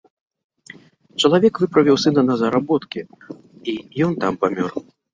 Чалавек выправіў сына на заработкі, і ён там памёр.